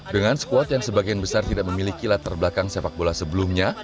dengan squad yang sebagian besar tidak memiliki latar belakang sepak bola sebelumnya